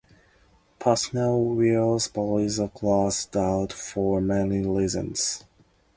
Personal wealth varies across adults for many reasons.